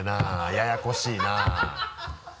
ややこしいなぁ。